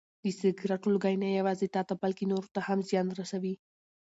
د سګرټو لوګی نه یوازې تاته بلکې نورو ته هم زیان رسوي.